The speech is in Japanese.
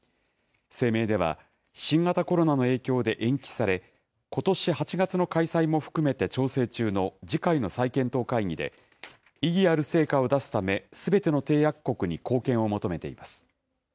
声明では、新型コロナの影響で延期され、ことし８月の開催も含めて調整中の次回の再検討会議で、意義ある成果を出すため、すべての締約国に貢献を求めています。